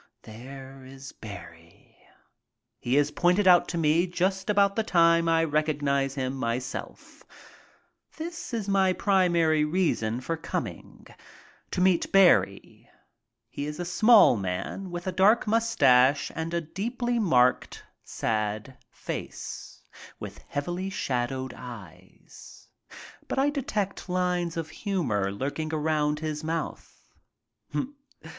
There is Barrie. He is pointed out to me just about the time I recognize him myself. This is my primary reason for coming. To meet Barrie. He is a small man, with a dark mustache and a deeply marked, sad face, with heavily shadowed eyes. But I detect lines of humor lurking around his mouth.